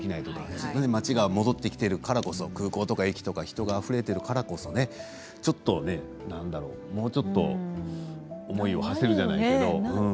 自分たちが戻ってきてるからこそ空港や駅に人が、あふれているからこそもうちょっと思いをはせるじゃないですけどね。